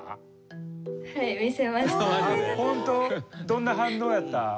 どんな反応やった？